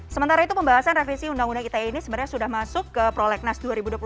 sementara itu pembahasan revisi undang undang ite ini sebenarnya sudah masuk ke prolegnas dua ribu dua puluh